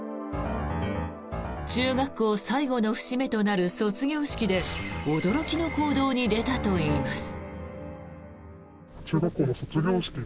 中学校最後の節目となる卒業式で驚きの行動に出たといいます。